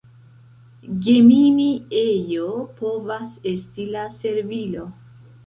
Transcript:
Gemini ejo povas esti la servilo.